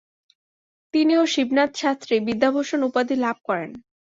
তিনি ও শিবনাথ শাস্ত্রী "বিদ্যাভূষণ" উপাধি লাভ করেন।